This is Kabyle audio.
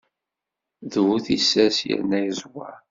D bu tissas yerna yeẓwer.